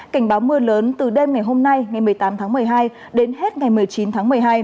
cảnh báo mưa lớn từ đêm ngày hôm nay ngày một mươi tám tháng một mươi hai đến hết ngày một mươi chín tháng một mươi hai